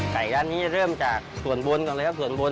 ไก่ย่านนี้เริ่มจากส่วนบนก่อนเลยครับส่วนบน